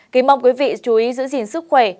kính mong quý vị chú ý giữ gìn sức khỏe